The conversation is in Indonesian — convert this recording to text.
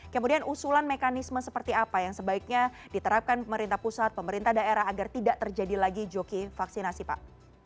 kemudian usulan mekanisme seperti apa yang sebaiknya diterapkan pemerintah pusat pemerintah daerah agar tidak terjadi lagi joki vaksinasi pak